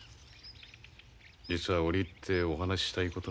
実は折り入ってお話ししたいことがあります。